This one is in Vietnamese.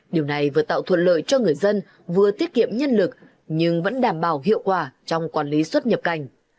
điều này vừa tạo thuận lợi cho người dân vừa tiết kiệm nhân lực nhưng vẫn đảm bảo hiệu quả trong quản lý xuất nhập cảnh